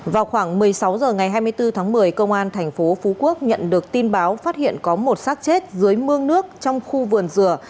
vào khoảng một mươi sáu h ngày hai mươi bốn tháng một mươi công an thành phố phú quốc nhận được tin báo phát hiện có một sát chết dưới mương nước trong khu vườn dừa